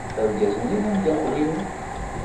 Argaz-nni d ameddakel-iw.